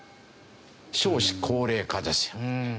少子高齢化ですよ。